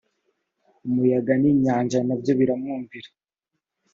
umuyaga n inyanja na byo biramwumvira